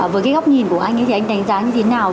với cái góc nhìn của anh thì anh đánh giá như thế nào